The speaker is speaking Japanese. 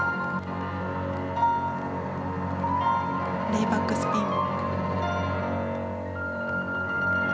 レイバックスピン。